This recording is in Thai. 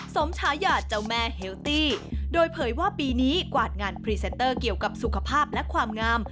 ฉายาเจ้าแม่เฮลตี้โดยเผยว่าปีนี้กวาดงานพรีเซนเตอร์เกี่ยวกับสุขภาพและความงาม